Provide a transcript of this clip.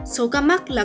số ca mắc là